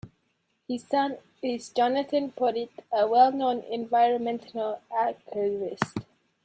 His son is Jonathon Porritt, a well-known environmental activist.